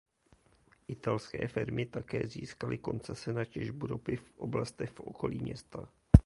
Italské firmy také získaly koncese na těžbu ropy v oblastech v okolí města.